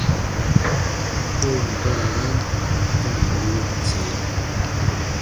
Goon barara ta ra goo tie.